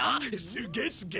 すげえすげえ。